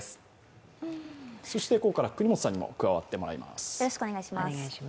ここからは國本さんにも加わってもらいます。